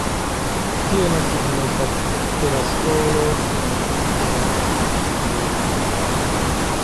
Tio ne signifas, ke la skolo ne estis grava en aliaj landoj.